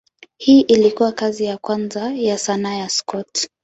Hii ilikuwa kazi ya kwanza ya sanaa ya Scott.